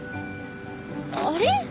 あれ？